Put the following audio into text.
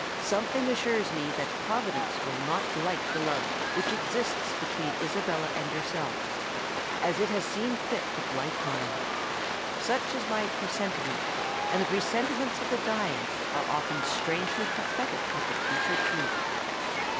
"Something assures me that providence will not blight the love which exists between Isabella and yourself—as it has seen fit to blight mine! Such is my presentiment; and the presentiments of the dying are often strangely prophetic of the future truth.